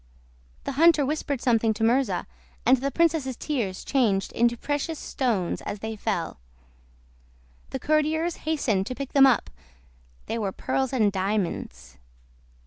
The hunter whispered something to Murza, and the princess's tears changed into precious stones as they fell. The courtiers hastened to pick them up—they were pearls and diamonds.